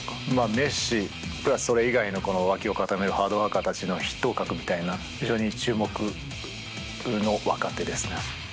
メッシ、プラスそれ以外の脇を固めるハードワーカーたちの筆頭格みたいな非常に注目の若手ですね。